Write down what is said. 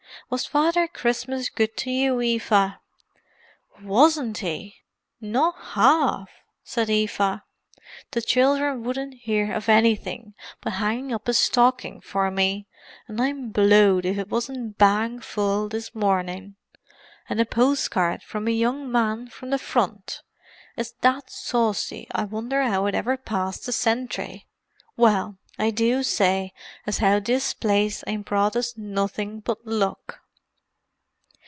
"Was Father Christmas good to you, Eva?" "Wasn't 'e! Not 'arf!" said Eva. "The children wouldn't 'ear of anyfink but 'angin' up a stockin' for me—and I'm blowed if it wasn't bang full this mornin'. And a post card from me young man from the Front; it's that saucy I wonder 'ow it ever passed the sentry! Well, I do say as 'ow this place ain't brought us nuffink but luck!"